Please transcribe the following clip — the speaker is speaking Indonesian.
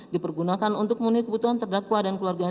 dipergunakan untuk menuhi kebutuhan terdakwa dan keluarganya